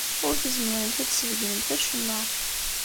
Ur tezmiremt ad sbeggnemt acemma.